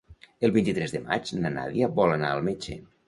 El vint-i-tres de maig na Nàdia vol anar al metge.